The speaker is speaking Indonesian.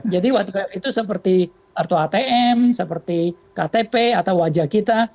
jadi what you have itu seperti kartu atm seperti ktp atau wajah kita